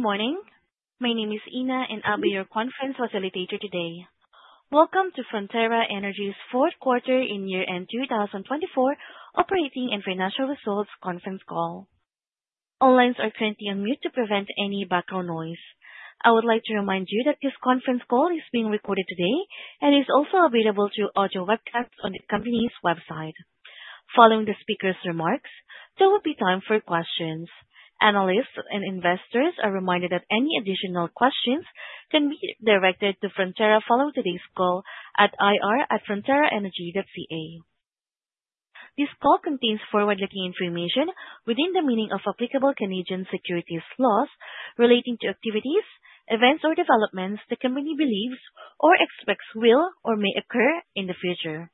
Good morning. My name is Ina, and I'll be your conference facilitator today. Welcome to Frontera Energy's fourth quarter and year-end 2024 operating and financial results conference call. All lines are currently on mute to prevent any background noise. I would like to remind you that this conference call is being recorded today and is also available through audio webcast on the company's website. Following the speaker's remarks, there will be time for questions. Analysts and investors are reminded that any additional questions can be directed to Frontera following today's call at ir@fronteraenergy.ca. This call contains forward-looking information within the meaning of applicable Canadian securities laws relating to activities, events, or developments the company believes or expects will or may occur in the future.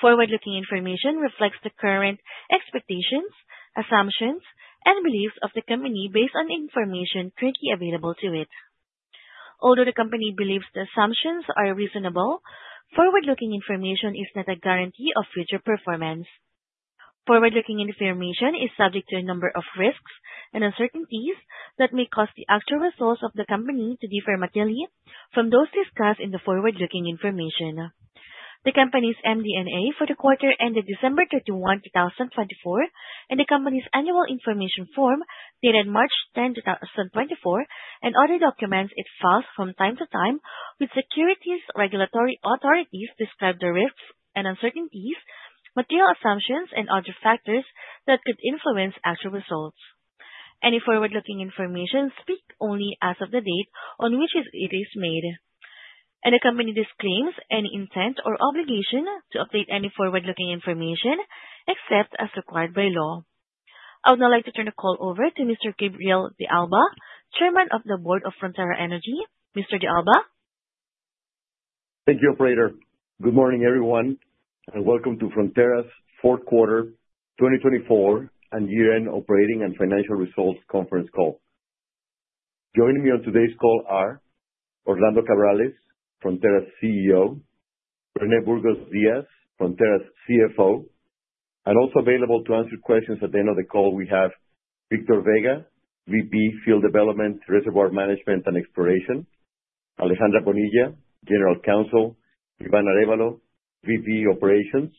Forward-looking information reflects the current expectations, assumptions, and beliefs of the company based on information currently available to it. Although the company believes the assumptions are reasonable, forward-looking information is not a guarantee of future performance. Forward-looking information is subject to a number of risks and uncertainties that may cause the actual results of the company to differ materially from those discussed in the forward-looking information. The company's MD&A for the quarter ended December 31, 2024, and the company's annual information form dated March 10, 2024, and other documents it files from time to time with securities regulatory authorities describe the risks and uncertainties, material assumptions, and other factors that could influence actual results. Any forward-looking information speaks only as of the date on which it is made, and the company disclaims any intent or obligation to update any forward-looking information except as required by law. I would now like to turn the call over to Mr. Gabriel de Alba, Chairman of the Board of Frontera Energy. Mr. de Alba. Thank you, Operator. Good morning, everyone, and welcome to Frontera's fourth quarter 2024 and year-end operating and financial results conference call. Joining me on today's call are Orlando Cabrales Segovia, Frontera's CEO; René Burgos Díaz, Frontera's CFO. Also available to answer questions at the end of the call, we have Victor Vega, VP Field Development, Reservoir Management and Exploration; Alejandra Bonilla, General Counsel; Iván Arévalo, VP Operations;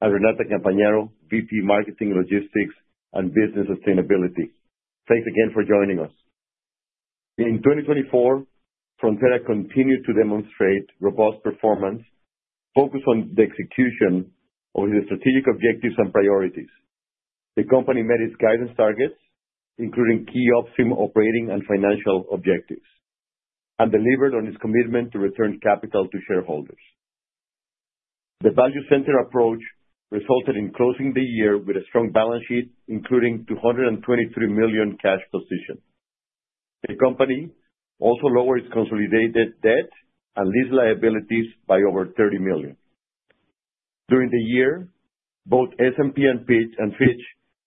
and Renata Campagnaro, VP Marketing, Logistics, and Business Sustainability. Thanks again for joining us. In 2024, Frontera continued to demonstrate robust performance, focused on the execution of its strategic objectives and priorities. The company met its guidance targets, including key operating and financial objectives, and delivered on its commitment to return capital to shareholders. The value-centered approach resulted in closing the year with a strong balance sheet, including a $223 million cash position. The company also lowered its consolidated debt and lease liabilities by over $30 million. During the year, both S&P and Fitch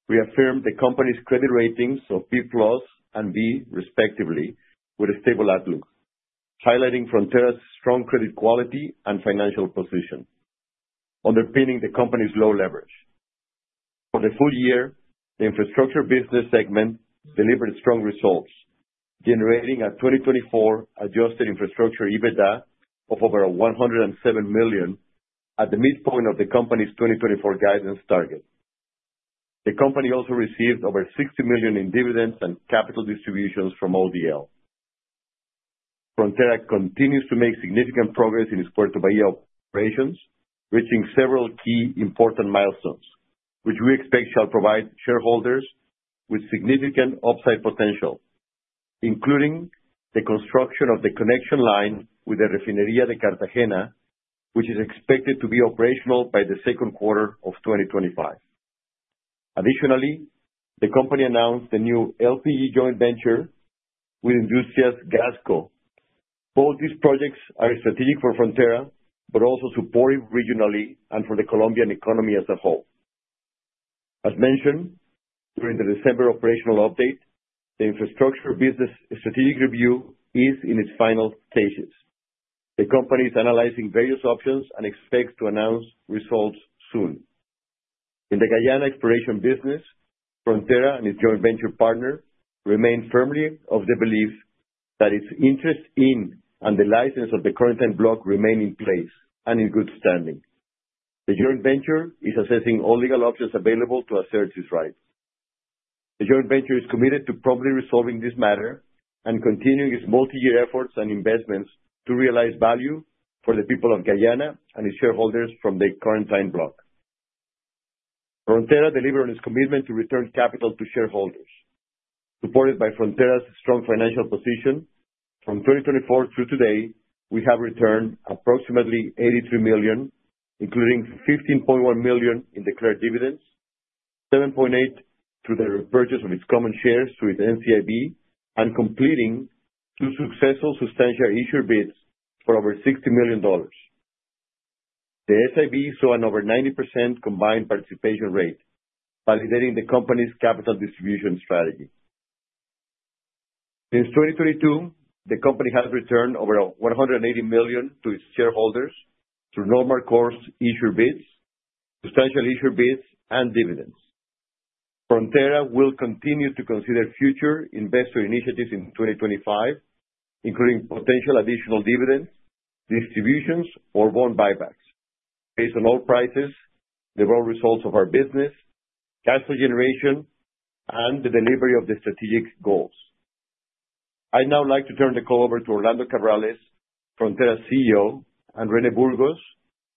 reaffirmed the company's credit ratings of B+ and B, respectively, with a stable outlook, highlighting Frontera's strong credit quality and financial position, underpinning the company's low leverage. For the full year, the infrastructure business segment delivered strong results, generating a 2024 adjusted infrastructure EBITDA of over $107 million at the midpoint of the company's 2024 guidance target. The company also received over $60 million in dividends and capital distributions from ODL. Frontera continues to make significant progress in its Puerto Bahía operations, reaching several key important milestones, which we expect shall provide shareholders with significant upside potential, including the construction of the connection line with the Refinería de Cartagena, which is expected to be operational by the second quarter of 2025. Additionally, the company announced the new LPG joint venture with Industrias Gasco. Both these projects are strategic for Frontera, but also supportive regionally and for the Colombian economy as a whole. As mentioned during the December operational update, the infrastructure business strategic review is in its final stages. The company is analyzing various options and expects to announce results soon. In the Guyana exploration business, Frontera and its joint venture partner remain firmly of the belief that its interest in and the license of the current block remain in place and in good standing. The joint venture is assessing all legal options available to assert its rights. The joint venture is committed to promptly resolving this matter and continuing its multi-year efforts and investments to realize value for the people of Guyana and its shareholders from the current block. Frontera delivered on its commitment to return capital to shareholders. Supported by Frontera's strong financial position, from 2024 through today, we have returned approximately $83 million, including $15.1 million in declared dividends, $7.8 million through the repurchase of its common shares through its NCIB, and completing two successful substantial issuer bids for over $60 million. The SIB saw an over 90% combined participation rate, validating the company's capital distribution strategy. Since 2022, the company has returned over $180 million to its shareholders through normal course issuer bids, substantial issuer bids, and dividends. Frontera will continue to consider future investor initiatives in 2025, including potential additional dividend distributions or bond buybacks, based on oil prices, the raw results of our business, cash flow generation, and the delivery of the strategic goals. I'd now like to turn the call over to Orlando Cabrales, Frontera CEO, and René Burgos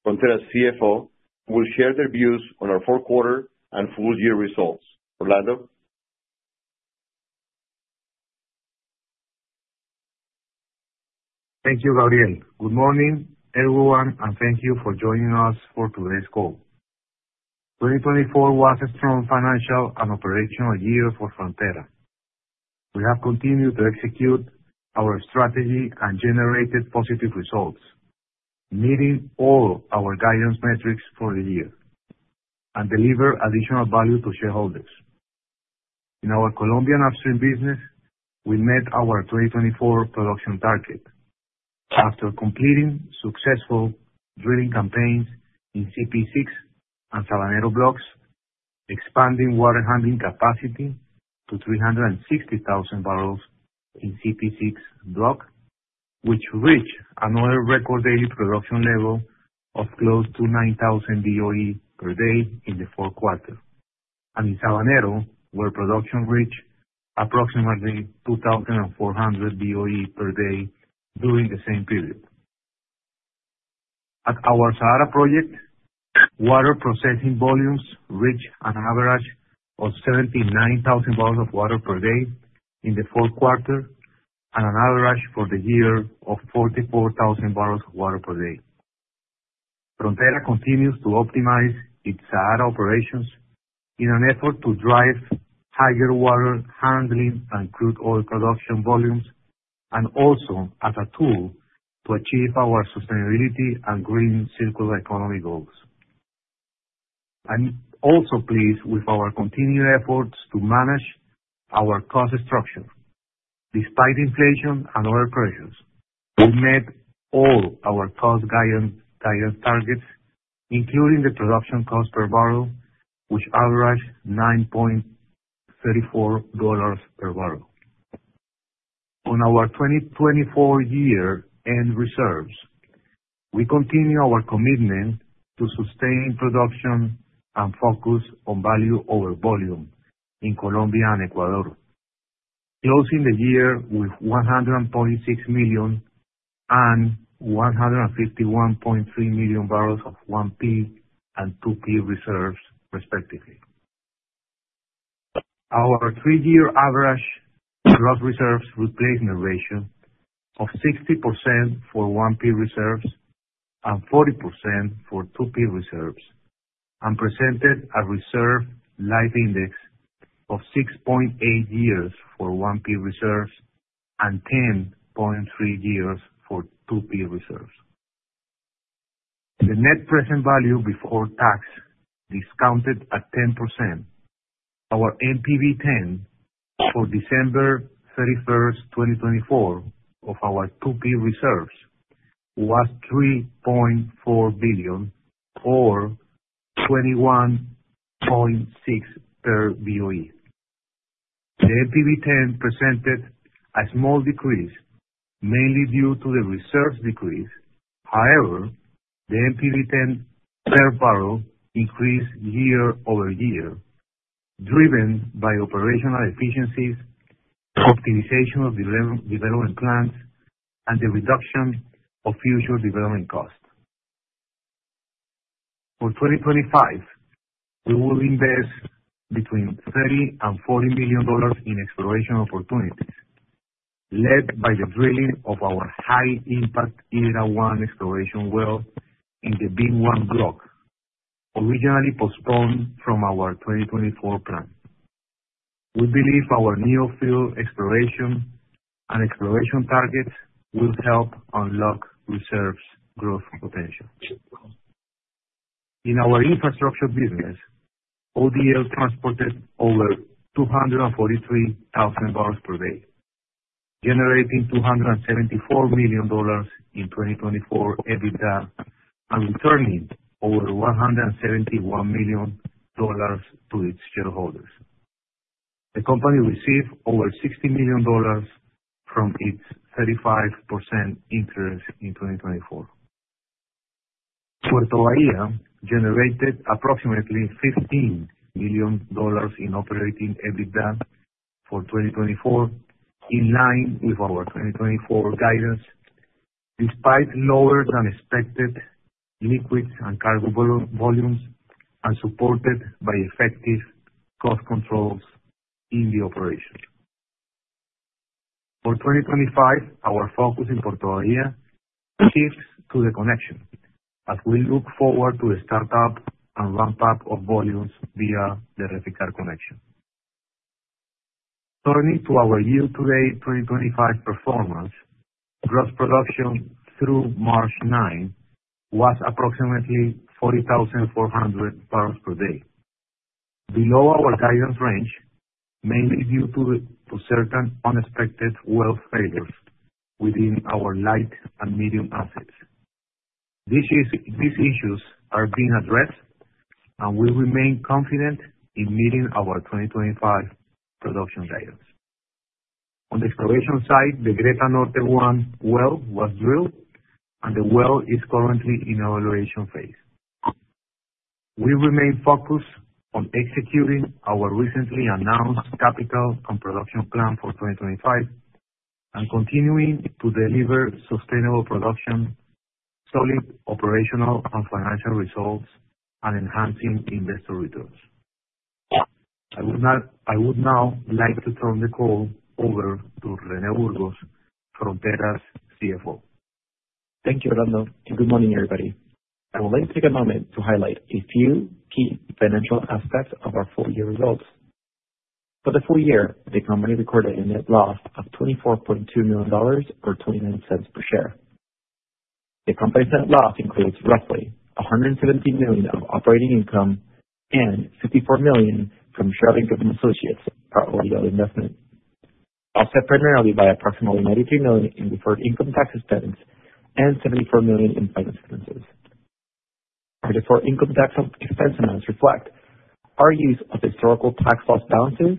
Díaz, Frontera's CFO, who will share their views on our fourth quarter and full-year results. Orlando. Thank you, Gabriel. Good morning, everyone, and thank you for joining us for today's call. 2024 was a strong financial and operational year for Frontera. We have continued to execute our strategy and generated positive results, meeting all our guidance metrics for the year, and delivered additional value to shareholders. In our Colombian upstream business, we met our 2024 production target after completing successful drilling campaigns in CPE-6 and Sabanero blocks, expanding water handling capacity to 360,000 barrels in CPE-6 block, which reached another record daily production level of close to 9,000 BOE per day in the fourth quarter, and in Sabanero, where production reached approximately 2,400 BOE per day during the same period. At our SAARA project, water processing volumes reached an average of 79,000 barrels of water per day in the fourth quarter, and an average for the year of 44,000 barrels of water per day. Frontera continues to optimize its SAARA operations in an effort to drive higher water handling and crude oil production volumes, and also as a tool to achieve our sustainability and green circular economy goals. I'm also pleased with our continued efforts to manage our cost structure. Despite inflation and other pressures, we met all our cost guidance targets, including the production cost per barrel, which averaged $9.34 per barrel. On our 2024 year-end reserves, we continue our commitment to sustain production and focus on value over volume in Colombia and Ecuador, closing the year with 100.6 million and 151.3 million barrels of 1P and 2P reserves, respectively. Our three-year average gross reserves replacement ratio of 60% for 1P reserves and 40% for 2P reserves presented a reserve life index of 6.8 years for 1P reserves and 10.3 years for 2P reserves. The net present value before tax, discounted at 10%, our NPV 10 for December 31, 2024, of our 2P reserves was $3.4 billion, or $21.6 per BOE. The NPV 10 presented a small decrease, mainly due to the reserves decrease. However, the NPV 10 per barrel increased year over year, driven by operational efficiencies, optimization of development plans, and the reduction of future development costs. For 2025, we will invest between $30 million and $40 million in exploration opportunities, led by the drilling of our high-impact Ara-1 exploration well in the VIM-1 block, originally postponed from our 2024 plan. We believe our near-field exploration and exploration targets will help unlock reserves' growth potential. In our infrastructure business, ODL transported over $243,000 per day, generating $274 million in 2024 EBITDA and returning over $171 million to its shareholders. The company received over $60 million from its 35% interest in 2024. Puerto Bahía generated approximately $15 million in operating EBITDA for 2024, in line with our 2024 guidance, despite lower-than-expected liquids and cargo volumes and supported by effective cost controls in the operation. For 2025, our focus in Puerto Bahía shifts to the connection, as we look forward to the startup and ramp-up of volumes via the Reficar connection. Turning to our year-to-date 2025 performance, gross production through March 9 was approximately 40,400 barrels per day, below our guidance range, mainly due to certain unexpected well failures within our light and medium assets. These issues are being addressed, and we remain confident in meeting our 2025 production guidance. On the exploration side, the Gaita Norte-1 well was drilled, and the well is currently in evaluation phase. We remain focused on executing our recently announced capital and production plan for 2025 and continuing to deliver sustainable production, solid operational and financial results, and enhancing investor returns. I would now like to turn the call over to René Burgos Díaz, Frontera's CFO. Thank you, Orlando. Good morning, everybody. I would like to take a moment to highlight a few key financial aspects of our full-year results. For the full year, the company recorded a net loss of $24.2 million, or $0.29 per share. The company's net loss includes roughly $170 million of operating income and $54 million from shareholding government associates or ODL investment, offset primarily by approximately $93 million in deferred income tax expenses and $74 million in finance expenses. Our deferred income tax expense amounts reflect our use of historical tax loss balances,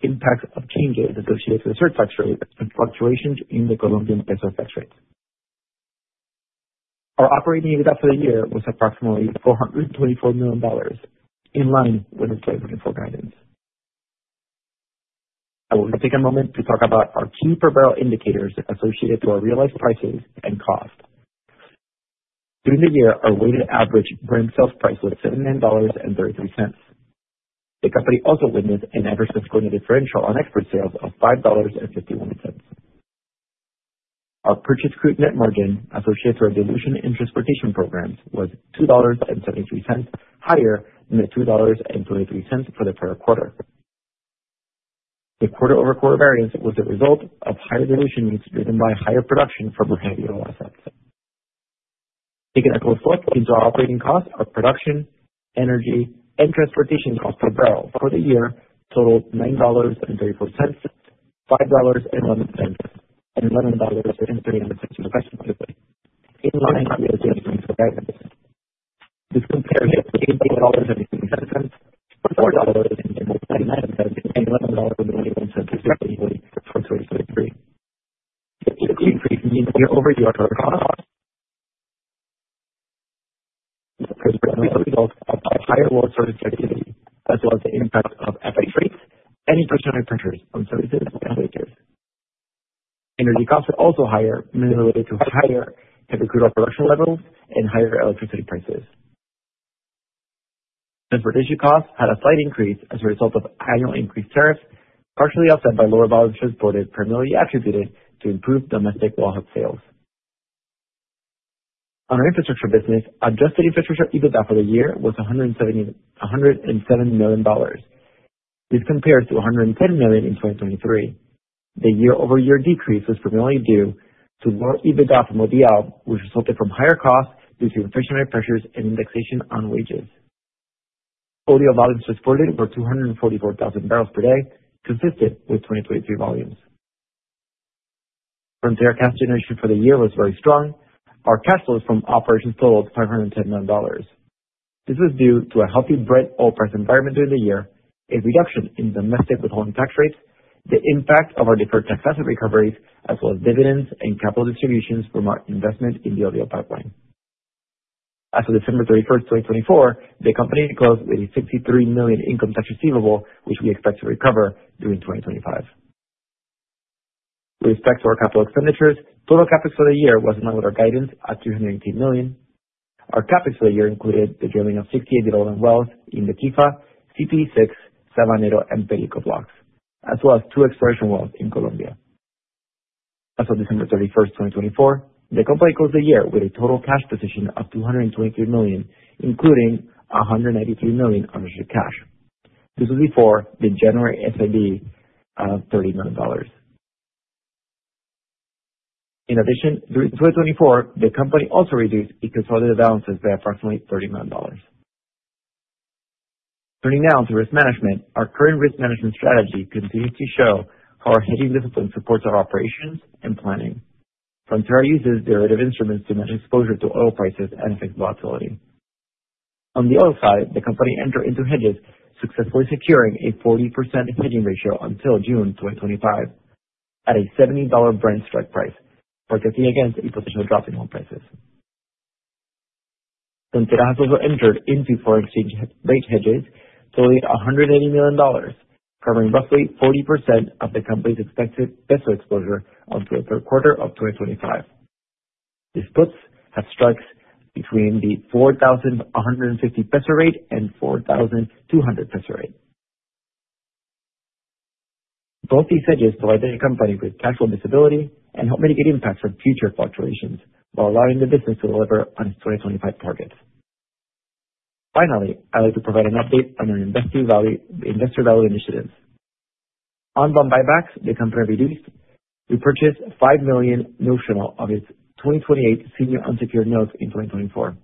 impacts of changes associated with the surtax rate, and fluctuations in the Colombian peso tax rate. Our operating EBITDA for the year was approximately $424 million, in line with the 2024 guidance. I will take a moment to talk about our key per barrel indicators associated with our realized prices and cost. During the year, our weighted average brand sales price was $79.33. The company also witnessed an adverse discounted differential on export sales of $5.51. Our purchase crude net margin associated with our diluent inventory rotation programs was $2.73, higher than the $2.23 for the prior quarter. The quarter-over-quarter variance was the result of higher dilution needs driven by higher production from revenue assets. Taking a close look into our operating costs of production, energy, and transportation costs per barrel for the year totaled $9.34, $5.11, and $11.31 respectively, in line with the estimates for guidance. This compared with $8.73, $4.99, and $11.91 respectively for 2023. The increase means year-over-year total costs is primarily a result of our higher water source activity, as well as the impact of FX rates and inflationary pressures on services and labor. Energy costs are also higher, mainly related to higher heavy crude oil production levels and higher electricity prices. Transportation costs had a slight increase as a result of annual increased tariffs, partially offset by lower barrels transported primarily attributed to improved domestic wellhead sales. On our infrastructure business, adjusted infrastructure EBITDA for the year was $107 million. This compares to $110 million in 2023. The year-over-year decrease was primarily due to lower EBITDA from ODL, which resulted from higher costs due to inflationary pressures and indexation on wages. ODL volumes transported were 244,000 barrels per day, consistent with 2023 volumes. Frontera's cash generation for the year was very strong. Our cash flows from operations totaled $510 million. This was due to a healthy Brent oil price environment during the year, a reduction in domestic withholding tax rates, the impact of our deferred tax asset recoveries, as well as dividends and capital distributions from our investment in the ODL pipeline. As of December 31, 2024, the company closed with a $63 million income tax receivable, which we expect to recover during 2025. With respect to our capital expenditures, total CapEx for the year was in line with our guidance at $218 million. Our CapEx for the year included the drilling of 60 development wells in the Quifa, CPE-6, Sabanero, and Perico blocks, as well as two exploration wells in Colombia. As of December 31, 2024, the company closed the year with a total cash position of $223 million, including $193 million on unrestricted cash. This was before the January SIB of $30 million. In addition, during 2024, the company also reduced its consolidated balances by approximately $30 million. Turning now to risk management, our current risk management strategy continues to show how our hedging discipline supports our operations and planning. Frontera uses derivative instruments to manage exposure to oil prices and affect volatility. On the other side, the company entered into hedges, successfully securing a 40% hedging ratio until June 2025 at a $70 Brent strike price, targeting against a potential drop in oil prices. Frontera has also entered into foreign exchange rate hedges totaling $180 million, covering roughly 40% of the company's expected peso exposure until the third quarter of 2025. This puts strikes between the 4,150 peso rate and 4,200 peso rate. Both these hedges provide the company with cash flow visibility and help mitigate impacts from future fluctuations while allowing the business to deliver on its 2025 targets. Finally, I'd like to provide an update on our investor value initiatives. On bond buybacks, the company repurchased $5 million of its 2028 senior unsecured notes in 2024.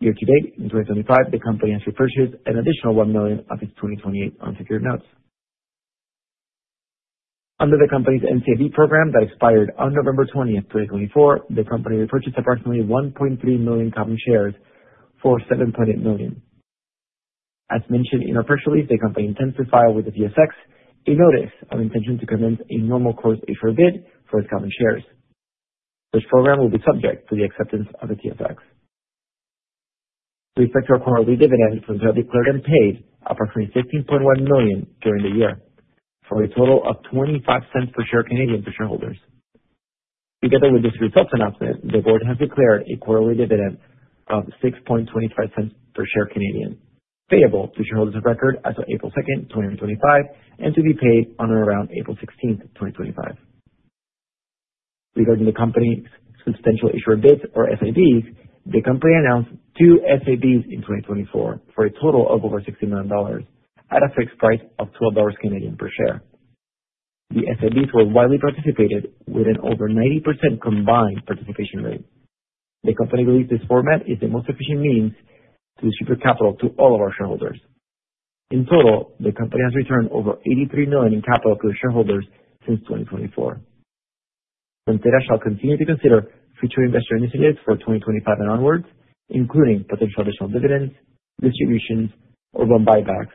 Year-to-date, in 2025, the company has repurchased an additional $1 million of its 2028 unsecured notes. Under the company's NCIB program that expired on November 20, 2024, the company repurchased approximately 1.3 million common shares for $7.8 million. As mentioned in our press release, the company intends to file with the TSX a notice of intention to commence a normal course issuer bid for its common shares. This program will be subject to the acceptance of the TSX. With respect to our quarterly dividend, Frontera declared and paid approximately $15.1 million during the year, for a total of 0.25 per share for shareholders. Together with this results announcement, the board has declared a quarterly dividend of 0.0625 per share, payable to shareholders of record as of April 2, 2025, and to be paid on or around April 16, 2025. Regarding the company's substantial issuer bids, or SIBs, the company announced two SIBs in 2024 for a total of over 60 million dollars at a fixed price of 12 Canadian dollars per share. The SIBs were widely participated, with an over 90% combined participation rate. The company believes this format is the most efficient means to distribute capital to all of our shareholders. In total, the company has returned over 83 million in capital to its shareholders since 2024. Frontera shall continue to consider future investor initiatives for 2025 and onwards, including potential additional dividends, distributions, or bond buybacks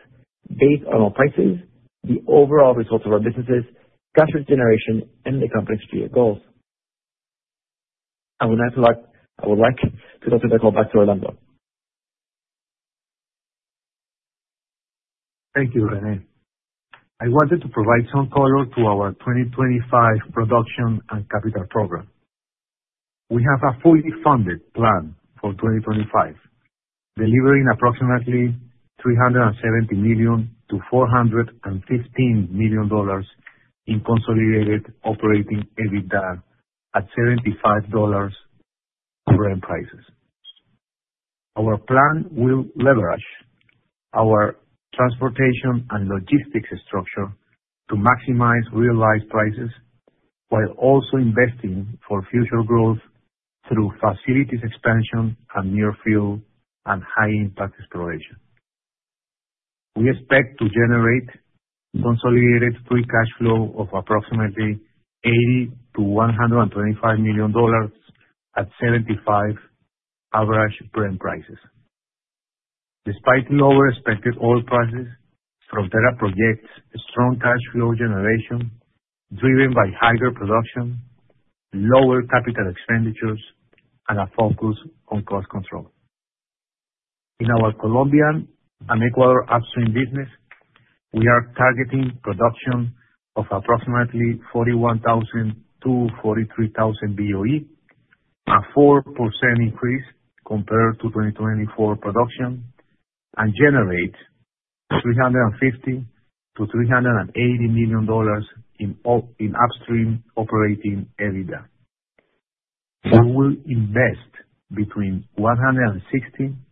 based on our prices, the overall results of our businesses, cash flow generation, and the company's three-year goals. I would like to turn the call back to Orlando. Thank you, René. I wanted to provide some color to our 2025 production and capital program. We have a fully funded plan for 2025, delivering approximately $370 million-$415 million in consolidated operating EBITDA at $75 Brent prices. Our plan will leverage our transportation and logistics structure to maximize realized prices while also investing for future growth through facilities expansion and near-field and high-impact exploration. We expect to generate consolidated free cash flow of approximately $80-$125 million at $75 average Brent prices. Despite lower expected oil prices, Frontera projects strong cash flow generation driven by higher production, lower capital expenditures, and a focus on cost control. In our Colombian and Ecuador upstream business, we are targeting production of approximately 41,000-43,000 BOE, a 4% increase compared to 2024 production, and generate $350 million-$380 million in upstream operating EBITDA. We will invest between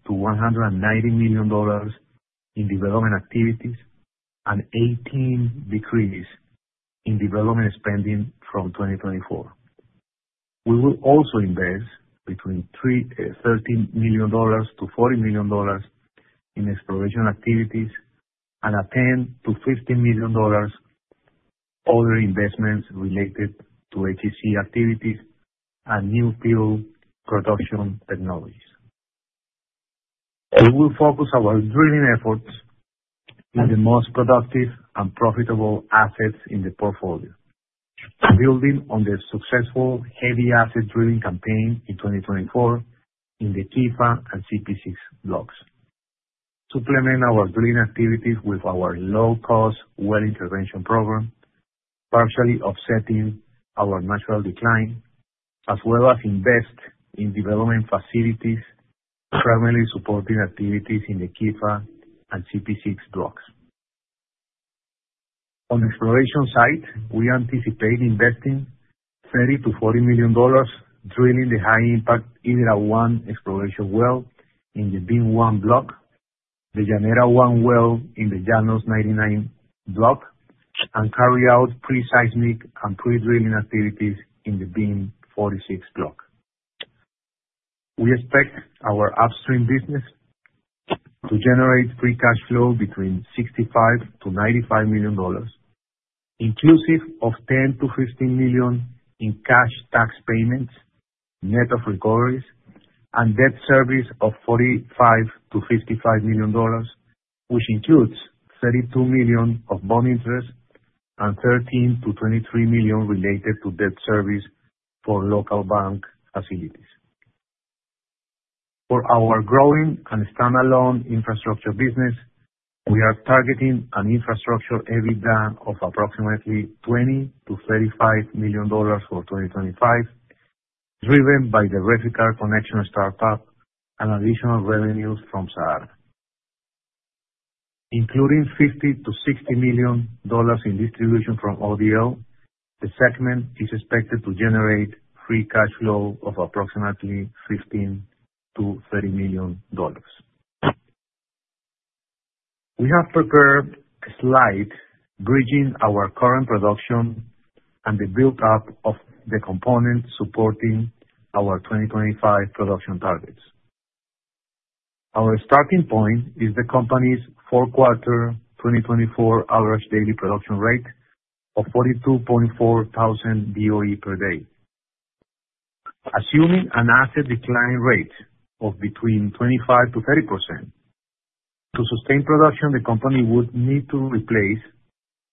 $160-$190 million in development activities and $18 million decrease in development spending from 2024. We will also invest between $30-$40 million in exploration activities and $10-$15 million other investments related to HSE activities and new field production technologies. We will focus our drilling efforts in the most productive and profitable assets in the portfolio, building on the successful heavy asset drilling campaign in 2024 in the Quifa and CPE-6 blocks. Supplement our drilling activities with our low-cost well intervention program, partially offsetting our natural decline, as well as invest in development facilities, primarily supporting activities in the Quifa and CPE-6 blocks. On the exploration side, we anticipate investing $30-40 million drilling the high-impact Ara-1 exploration well in the VIM-1 block, the Llanera-1 well in the Llanos 99 block, and carry out pre-seismic and pre-drilling activities in the VIM-46 block. We expect our upstream business to generate free cash flow between $65-95 million, inclusive of $10-15 million in cash tax payments, net of recoveries, and debt service of $45-55 million, which includes $32 million of bond interest and $13-23 million related to debt service for local bank facilities. For our growing and standalone infrastructure business, we are targeting an infrastructure EBITDA of approximately $20-35 million for 2025, driven by the Reficar Connection startup and additional revenues from SAARA. Including $50-60 million in distribution from ODL, the segment is expected to generate free cash flow of approximately $15-30 million. We have prepared a slide bridging our current production and the build-up of the components supporting our 2025 production targets. Our starting point is the company's four-quarter 2024 average daily production rate of 42.4 thousand BOE per day. Assuming an asset decline rate of between 25-30%, to sustain production, the company would need to replace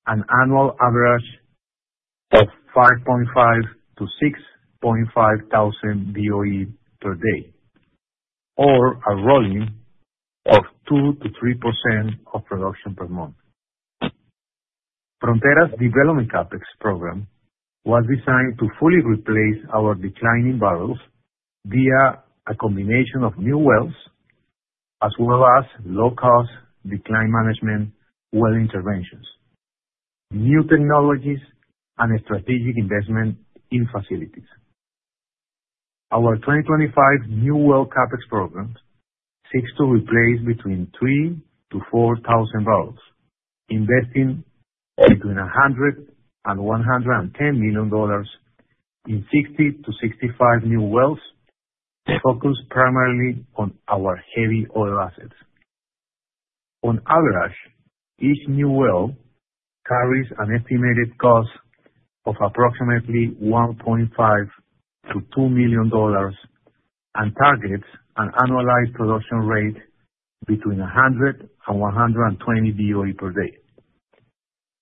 an annual average of 5.5-6.5 thousand BOE per day, or a rolling of 2-3% of production per month. Frontera's development CapEx program was designed to fully replace our declining barrels via a combination of new wells, as well as low-cost decline management well interventions, new technologies, and strategic investment in facilities. Our 2025 new well CapEx program seeks to replace between 3,000 to 4,000 barrels, investing between $100-$110 million in 60-65 new wells, focused primarily on our heavy oil assets. On average, each new well carries an estimated cost of approximately $1.5-$2 million and targets an annualized production rate between 100 and 120 BOE per day.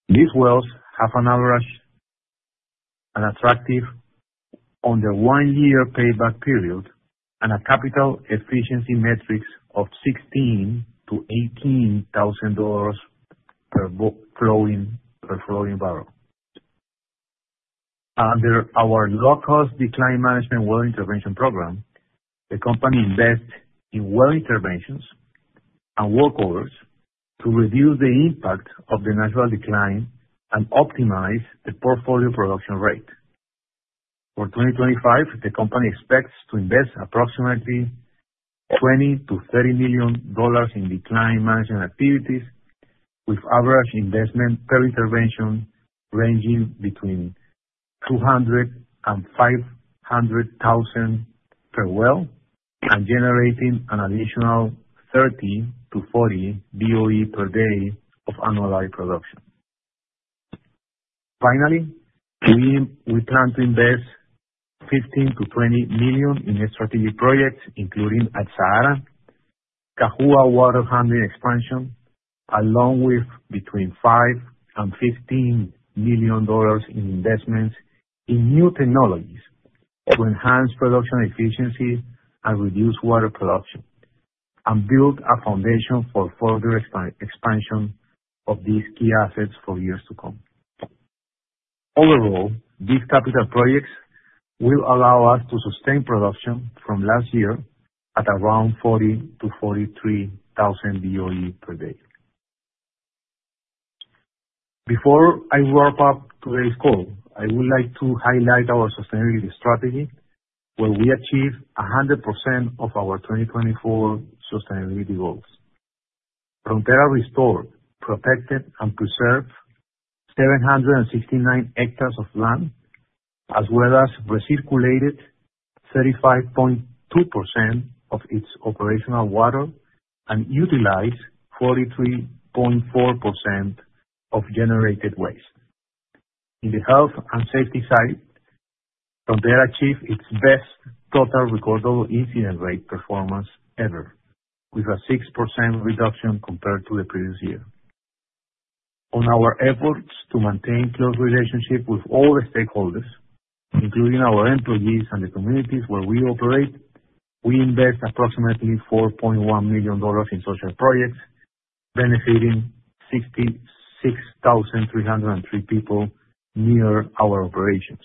These wells have an average and attractive under one-year payback period and a capital efficiency metrics of $16,000-$18,000 per flowing barrel. Under our low-cost decline management well intervention program, the company invests in well interventions and workovers to reduce the impact of the natural decline and optimize the portfolio production rate. For 2025, the company expects to invest approximately $20-30 million in decline management activities, with average investment per intervention ranging between $200,000 and $500,000 per well and generating an additional 30-40 BOE per day of annualized production. Finally, we plan to invest $15-20 million in strategic projects, including at SAARA, Cajua water handling expansion, along with between $5-15 million in investments in new technologies to enhance production efficiency and reduce water production, and build a foundation for further expansion of these key assets for years to come. Overall, these capital projects will allow us to sustain production from last year at around 40,000-43,000 BOE per day. Before I wrap up today's call, I would like to highlight our sustainability strategy, where we achieved 100% of our 2024 sustainability goals. Frontera restored, protected, and preserved 769 hectares of land, as well as recirculated 35.2% of its operational water and utilized 43.4% of generated waste. In the health and safety side, Frontera achieved its best total recordable incident rate performance ever, with a 6% reduction compared to the previous year. On our efforts to maintain close relationships with all the stakeholders, including our employees and the communities where we operate, we invest approximately $4.1 million in social projects, benefiting 66,303 people near our operations,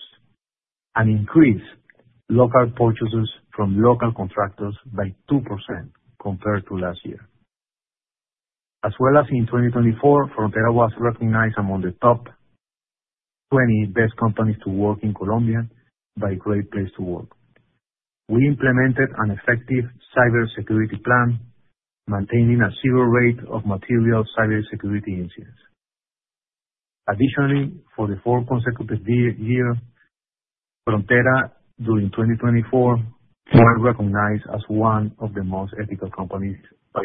and increased local purchases from local contractors by 2% compared to last year. As well as in 2024, Frontera was recognized among the top 20 best companies to work in Colombia by Great Place to Work. We implemented an effective cybersecurity plan, maintaining a zero rate of material cybersecurity incidents. Additionally, for the fourth consecutive year, Frontera during 2024 was recognized as one of the most ethical companies by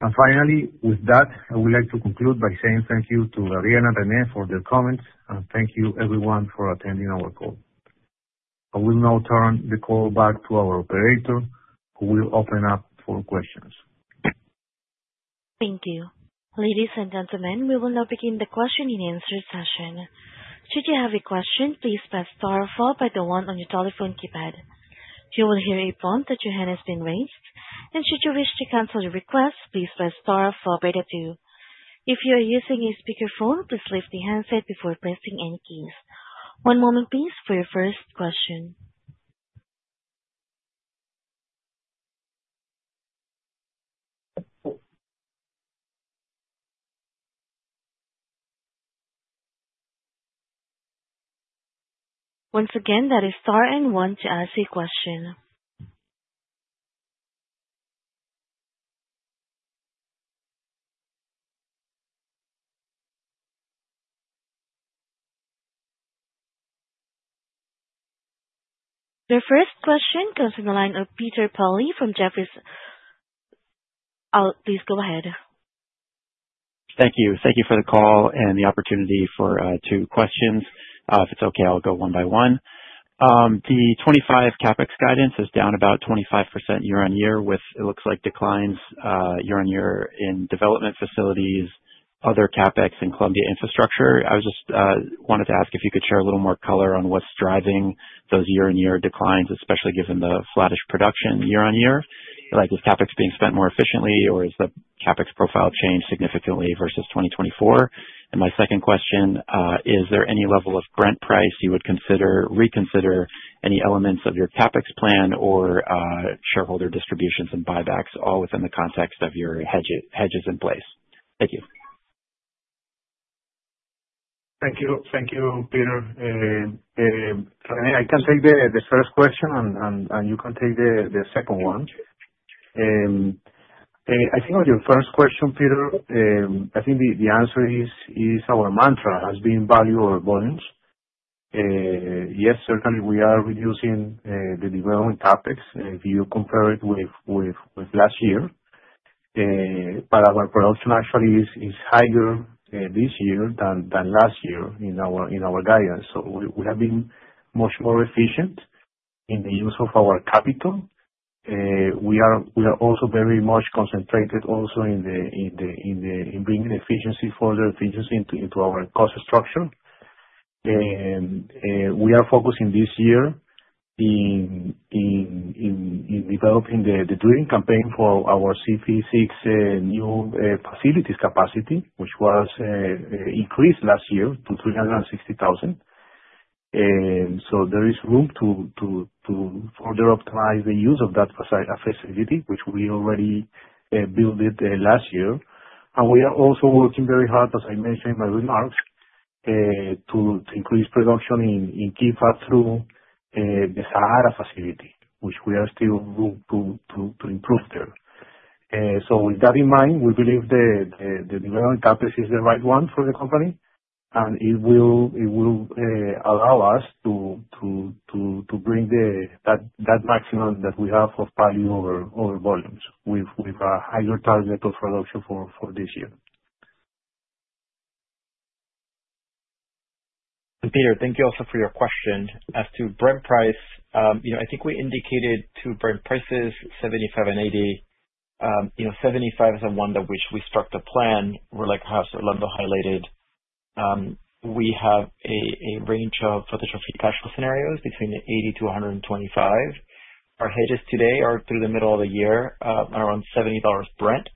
Ethisphere. Finally, with that, I would like to conclude by saying thank you to Rene and Rene for their comments, and thank you everyone for attending our call. I will now turn the call back to our operator, who will open up for questions. Thank you. Ladies and gentlemen, we will now begin the question and answer session. Should you have a question, please press star followed by the one on your telephone keypad. You will hear a prompt that your hand has been raised. Should you wish to cancel your request, please press star followed by the two. If you are using a speakerphone, please lift the handset before pressing any keys. One moment, please, for your first question. Once again, that is star and one to ask a question. The first question comes from the line of Peter Bowley from Jefferies. Please go ahead. Thank you. Thank you for the call and the opportunity for two questions. If it's okay, I'll go one by one. The 2025 CapEx guidance is down about 25% year on year, with, it looks like, declines year on year in development facilities, other CapEx, and Colombia infrastructure. I just wanted to ask if you could share a little more color on what's driving those year-on-year declines, especially given the flattish production year on year. Is CapEx being spent more efficiently, or is the CapEx profile changed significantly versus 2024? My second question, is there any level of Brent price you would reconsider any elements of your CapEx plan or shareholder distributions and buybacks, all within the context of your hedges in place? Thank you. Thank you. Thank you, Peter. René, I can take the first question, and you can take the second one. I think on your first question, Peter, I think the answer is our mantra has been value over volumes. Yes, certainly, we are reducing the development CapEx if you compare it with last year. Our production actually is higher this year than last year in our guidance. We have been much more efficient in the use of our capital. We are also very much concentrated also in bringing efficiency, further efficiency into our cost structure. We are focusing this year in developing the drilling campaign for our CPE-6 new facilities capacity, which was increased last year to 360,000. There is room to further optimize the use of that facility, which we already built last year. We are also working very hard, as I mentioned in my remarks, to increase production in Quifa through the SAARA facility, which we are still to improve there. With that in mind, we believe the development CapEx is the right one for the company, and it will allow us to bring that maximum that we have of value over volumes with a higher target of production for this year. Peter, thank you also for your question. As to Brent price, I think we indicated two Brent prices, 75 and 80. 75 is the one that we struck the plan, like perhaps Orlando highlighted. We have a range of potential cash flow scenarios between 80-125. Our hedges today are through the middle of the year around $70 Brent.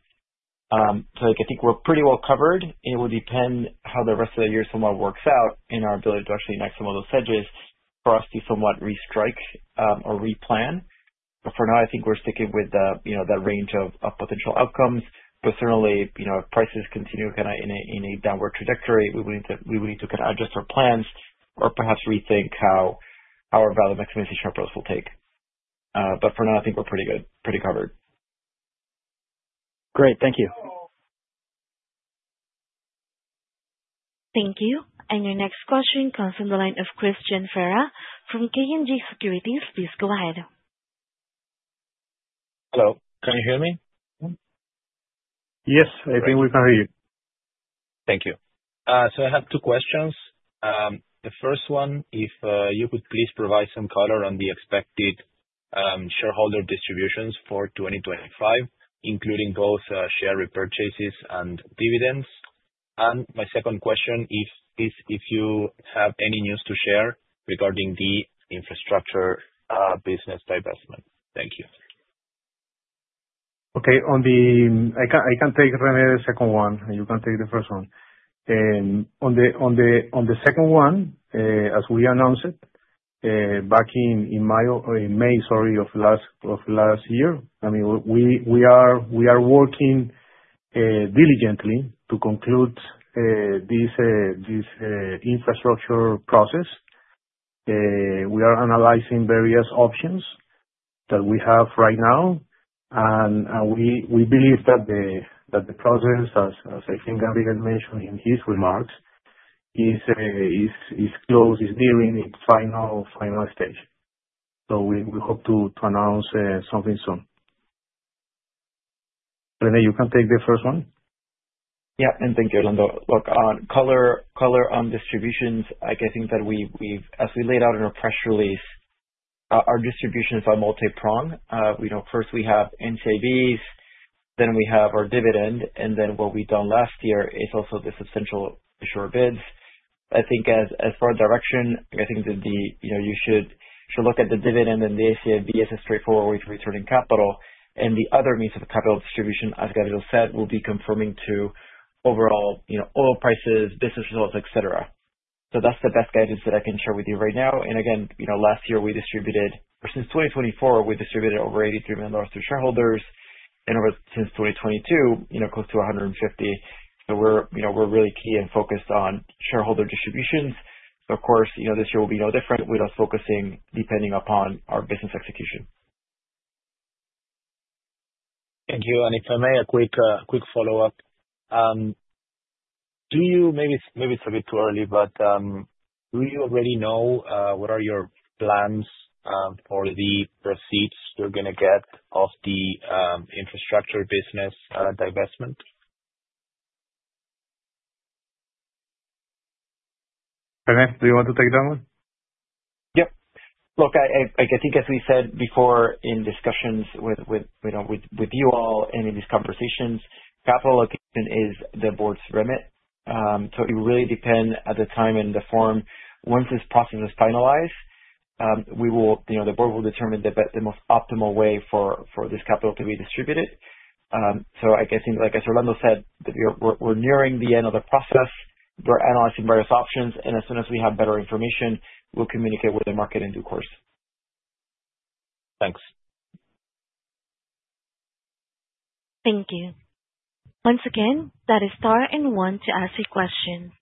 I think we are pretty well covered. It will depend how the rest of the year somewhat works out in our ability to actually enact some of those hedges for us to somewhat restrike or replan. For now, I think we are sticking with that range of potential outcomes. Certainly, if prices continue kind of in a downward trajectory, we will need to kind of adjust our plans or perhaps rethink how our value maximization approach will take. I think we're pretty good, pretty covered. Great. Thank you. Thank you. Your next question comes from the line of Christian Ferra from KNG Securities. Please go ahead. Hello. Can you hear me? Yes. I think we can hear you. Thank you. I have two questions. The first one, if you could please provide some color on the expected shareholder distributions for 2025, including both share repurchases and dividends. My second question is if you have any news to share regarding the infrastructure business divestment. Thank you. Okay. I can take René the second one, and you can take the first one. On the second one, as we announced it back in May, sorry, of last year, I mean, we are working diligently to conclude this infrastructure process. We are analyzing various options that we have right now. We believe that the process, as I think Gabriel mentioned in his remarks, is close, is nearing its final stage. We hope to announce something soon. René, you can take the first one. Yeah. Thank you, Orlando. Look, color on distributions, I think that as we laid out in our press release, our distribution is multi-prong. First, we have NCIBs, then we have our dividend, and then what we've done last year is also the substantial issuer bids. I think as far as direction, I think that you should look at the dividend and the NCIB as a straightforward way to return capital. The other means of capital distribution, as Gabriel said, will be conforming to overall oil prices, business results, etc. That's the best guidance that I can share with you right now. Again, last year, we distributed or since 2024, we distributed over $83 million to shareholders, and since 2022, close to $150 million. We're really key and focused on shareholder distributions. Of course, this year will be no different. With us focusing depending upon our business execution. Thank you. If I may, a quick follow-up. Maybe it's a bit too early, but do you already know what are your plans for the receipts you're going to get of the infrastructure business divestment? René, do you want to take that one? Yep. Look, I think as we said before in discussions with you all and in these conversations, capital allocation is the board's remit. It really depends at the time and the form. Once this process is finalized, the board will determine the most optimal way for this capital to be distributed. I think, like Orlando said, we're nearing the end of the process. We're analyzing various options. As soon as we have better information, we'll communicate with the market in due course. Thanks. Thank you. Once again, that is star and one to ask a question.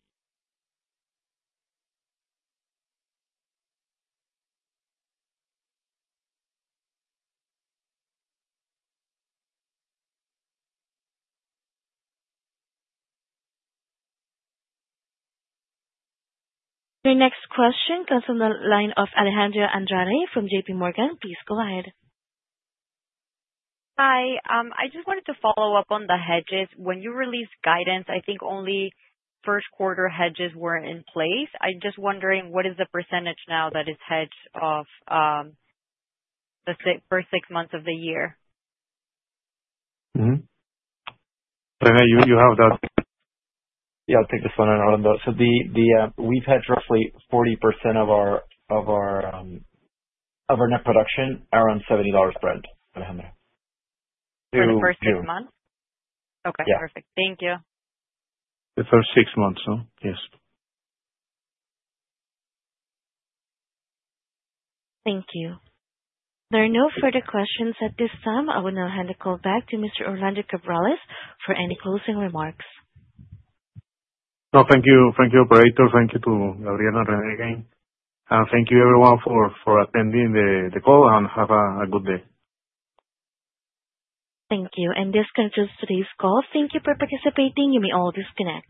Your next question comes from the line of Alejandra Andrade from JPMorgan. Please go ahead. Hi. I just wanted to follow up on the hedges. When you released guidance, I think only first-quarter hedges were in place. I'm just wondering what is the percentage now that is hedged of the first six months of the year? René, you have that? Yeah. I'll take this one, Orlando. We've hedged roughly 40% of our net production around $70 Brent and a half. For the first six months? Yeah. Okay. Perfect. Thank you. The first six months, no? Yes. Thank you. There are no further questions at this time. I will now hand the call back to Mr. Orlando Cabrales for any closing remarks. No, thank you. Thank you, Operator. Thank you to Gabriel and René again. Thank you, everyone, for attending the call, and have a good day. Thank you. This concludes today's call. Thank you for participating. You may all disconnect.